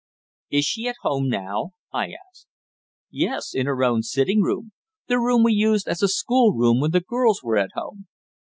"Is she at home now?" I asked. "Yes, in her own sitting room the room we used as a schoolroom when the girls were at home.